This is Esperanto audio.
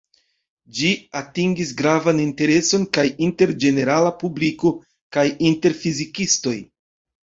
Ĝi atingis gravan intereson kaj inter ĝenerala publiko, kaj inter fizikistoj.